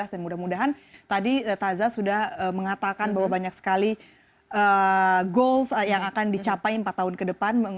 dan mudah mudahan tadi taza sudah mengatakan bahwa banyak sekali goals yang akan dicapai empat tahun ke depan